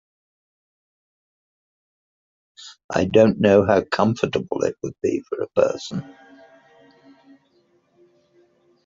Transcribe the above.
I don’t know how comfortable it would be for a person.